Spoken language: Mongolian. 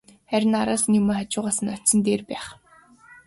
Харин араас нь юм уу, хажуугаас нь очсон нь дээр байх.